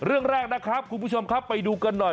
เรื่องแรกนะครับคุณผู้ชมครับไปดูกันหน่อย